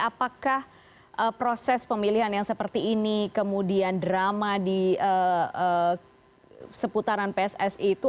apakah proses pemilihan yang seperti ini kemudian drama di seputaran pssi itu